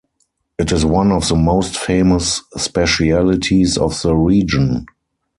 It is one of the most famous specialties of the region.